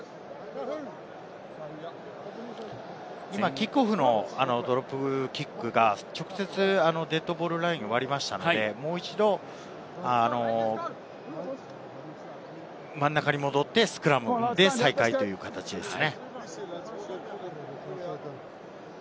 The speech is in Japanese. キックオフのドロップキックが直接、デッドゴールラインを割りましたので、もう一度、真ん中に戻ってスクラムで再開という形ですね。